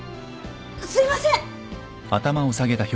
すいません！